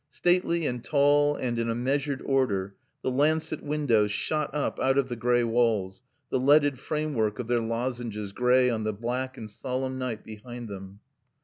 Stately and tall and in a measured order, the lancet windows shot up out of the gray walls, the leaded framework of their lozenges gray on the black and solemn night behind them.